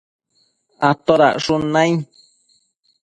atodacshun nai?